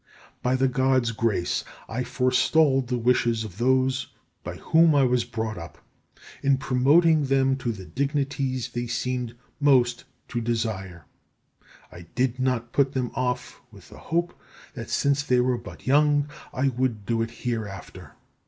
By the Gods' grace I forestalled the wishes of those by whom I was brought up, in promoting them to the dignities they seemed most to desire; and I did not put them off with the hope that, since they were but young, I would do it hereafter.